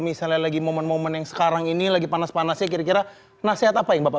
misalnya lagi momen momen yang sekarang ini lagi panas panasnya kira kira nasihat apa yang bapak